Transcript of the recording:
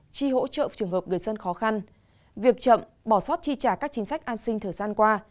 chi hỗ trợ trường hợp người dân khó khăn việc chậm bỏ sót chi trả các chính sách an sinh thời gian qua